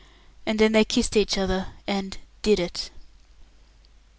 And then they kissed each other, and "did it".